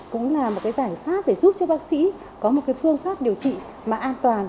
cũng là một cái giải pháp để giúp cho bác sĩ có một phương pháp điều trị an toàn